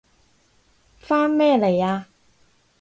返咩嚟啊？